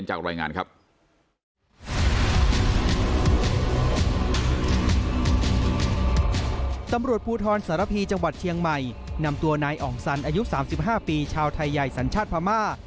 ชาวไทยใหญ่สัญชาติว่ามา